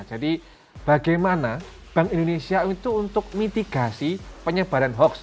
bagaimana bank indonesia itu untuk mitigasi penyebaran hoax